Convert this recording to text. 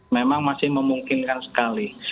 memang masih memungkinkan sekali